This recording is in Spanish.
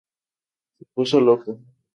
Se puso loco.